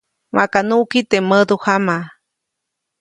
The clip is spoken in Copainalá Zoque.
Maka nuʼki teʼ mädujama.